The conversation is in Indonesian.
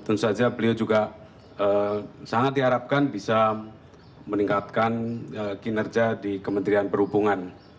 tentu saja beliau juga sangat diharapkan bisa meningkatkan kinerja di kementerian perhubungan